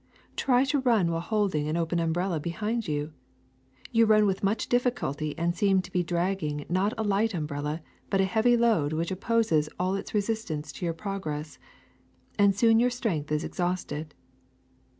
Try to run while holding an open umbrella behind you. You run with much difficulty and seem to be dragging not a light um brella but a heavy load which opposes all its resist ance to your progress, and soon your strength is ex hausted.